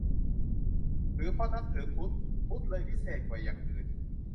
หรือเพราะนับถือพุทธ พุทธเลยพิเศษกว่าอย่างอื่น ?